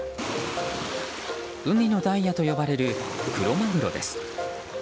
海のダイヤと呼ばれるクロマグロです。